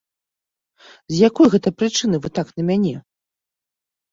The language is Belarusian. З якой гэта прычыны вы так на мяне?